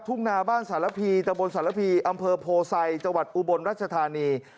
ทุ่งนาบ้านสารพีตะบนสารพีอำเภอโพไซจังหวัดอุบลรัชธานี